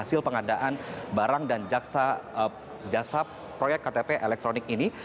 hasil pengadaan barang dan jasa proyek ktp elektronik ini